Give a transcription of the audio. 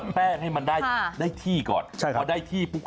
ไม่มี